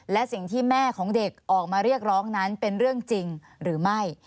และสิ่งที่แม่ของเด็กออกมาเรียกร้องนั้นเป็นเรื่องจริงหรือไม่